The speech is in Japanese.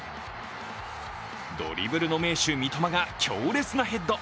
ドリブルの名手・三笘が強烈なヘッド。